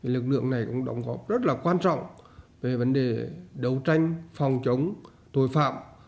lực lượng này cũng đóng góp rất là quan trọng về vấn đề đấu tranh phòng chống tội phạm